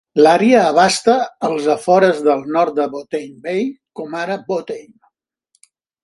L'àrea abasta els afores del nord de Botany Bay, com ara Botany.